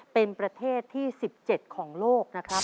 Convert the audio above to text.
เป็นประเทศที่๑๗ของโลกนะครับ